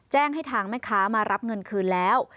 แจ้งให้ทางแม่ค้ามารับเงินคืนแล้ว